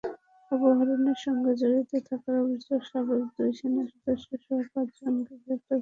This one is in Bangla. অপহরণের সঙ্গে জড়িত থাকার অভিযোগে সাবেক দুই সেনাসদস্যসহ পাঁচজনকে গ্রেপ্তার করা হয়েছে।